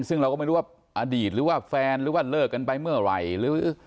ซึ่งเราก็ไม่รู้ว่าอดีตหรือว่าแฟนหรือว่าเลิกกันไปเมื่อไหร่หรือ